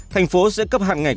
thành phố sẽ cấp hạn ngạch